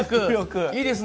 いいですね。